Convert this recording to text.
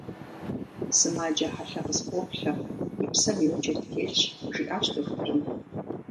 – Сымаджэ хьэлъэ къыспоплъэ: и псэм йоджэри телъщ, - жиӏащ дохутырым.